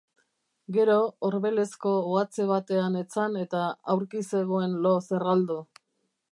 Gero, orbelezko ohatze batean etzan eta aurki zegoen lo zerraldo.